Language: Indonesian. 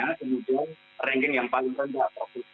kemudian ranking yang paling rendah profit